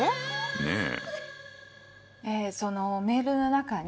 ねえ。